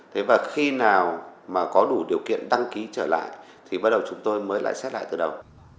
thế và khi nào mà có đủ điều kiện đăng ký trở lại thì bắt đầu chúng tôi mới lại xét lại từ đầu